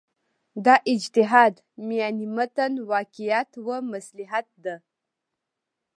دا اجتهاد میان متن واقعیت و مصلحت ده.